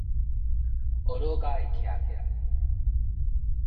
呵咾甲會徛起來